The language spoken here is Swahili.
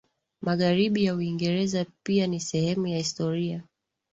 Magharibi ya Uingereza pia ni sehemu ya historia